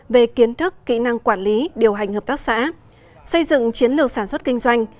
về kiến thức kỹ năng quản lý điều hành hợp tác xã xây dựng chiến lược sản xuất kinh doanh